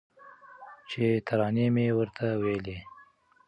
چي ترانې مي ورته ویلې